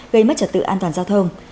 gây mất trật tự an toàn giao thông